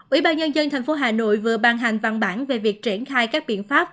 ủy ban nhân dân tp hà nội vừa ban hành văn bản về việc triển khai các biện pháp